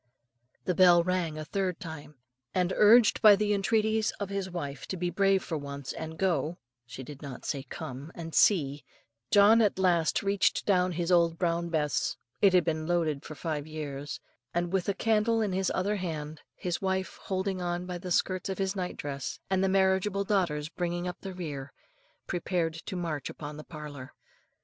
The bell rang a third time; and, urged by the entreaties of his wife to be brave for once and go she did not say come and see, John at last reached down his old brown Bess it had been loaded for five years and with a candle in his other hand, his wife holding on by the skirts of his night dress, and the marriageable daughters bringing up the rear, prepared to march upon the parlour.